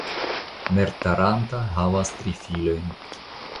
Mertaranta havas tri filojn.